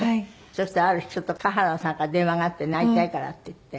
そしたらある日ちょっと賀原さんから電話があってね会いたいからって言って。